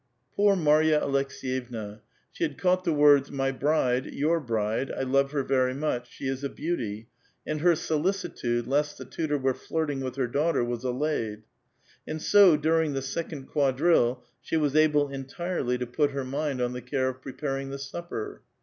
Poor Mary a Aleks^»yevna ! She had caught the words, ''my bride," *'your bride," " I love her very much," *' she is a beauty," and her solicitude lest the tutor were flirting with her daughter was allayed ; and so during the second quadrille she was able entirely to put her mind on the care of preparing the supper.